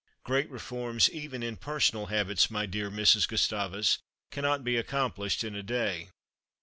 Great reforms, even in personal habits, my dear Mrs. Gustavus, cannot be accomplished in a day.